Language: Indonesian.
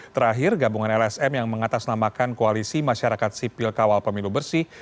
terakhir gabungan lsm yang mengatasnamakan koalisi masyarakat sipil kawal pemilu bersih